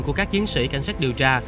của các chiến sĩ cảnh sát điều tra